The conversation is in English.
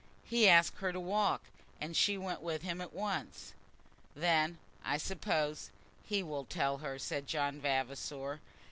He asked her to walk, and she went with him at once." "Then, I suppose, he will tell her," said John Vavasor.